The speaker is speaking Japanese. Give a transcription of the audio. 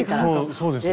そうですよね。